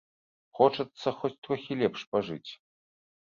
Хочацца хоць трохі лепш пажыць.